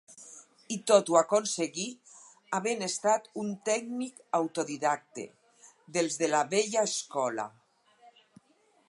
I tot ho aconseguí havent estat un tècnic autodidacte, dels de la vella escola.